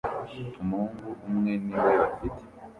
Umuhungu umwe niwe bafite